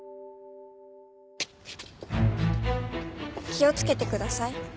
気をつけてください。